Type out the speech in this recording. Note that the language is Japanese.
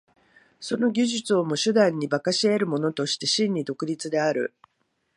その技術をも手段に化し得るものとして真に独立である。